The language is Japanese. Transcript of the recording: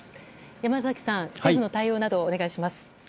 山崎さん、政府の対応などお願いします。